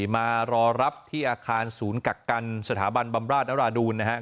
มารอรับที่อาคารศูนย์กักกันสถาบันบำราชนราดูน